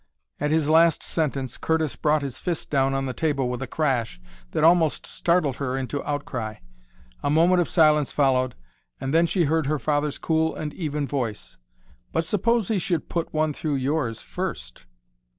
At his last sentence Curtis brought his fist down on the table with a crash that almost startled her into outcry. A moment of silence followed, and then she heard her father's cool and even voice, "But suppose he should put one through yours first?"